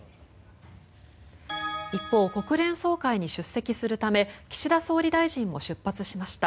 一方、国連総会に出席するため岸田総理大臣も出発しました。